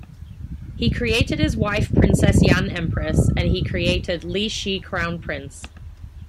He created his wife Princess Yan empress, and he created Li Shi crown prince.